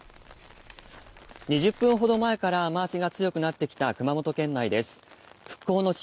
２０分ほど前から雨足が強くなってきた熊本県内です。